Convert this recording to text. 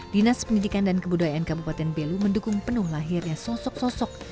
dinas pendidikan dan kebudayaan kabupaten belu mendukung penuh lahirnya sosok sosok